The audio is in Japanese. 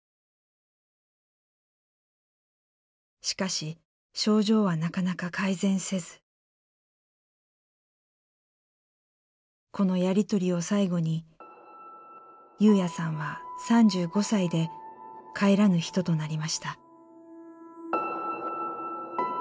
しかし症状はなかなか改善せずこのやり取りを最後に優也さんは３５歳で帰らぬ人となりました。